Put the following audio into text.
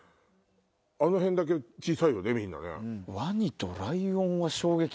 あの辺だけ小さいよねみんなね。